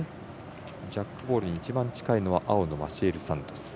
ジャックボールに一番近いのは青のマシエル・サントス。